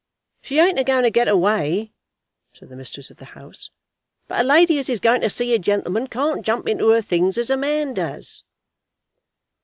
"She ain't a going to get away," said the mistress of the house, "but a lady as is going to see a gentleman can't jump into her things as a man does."